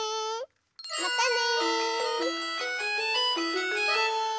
またね！